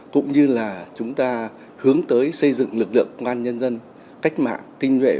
cũng như là chúng ta hướng tới xây dựng lực lượng ngoan nhân dân cách mạng kinh nguyện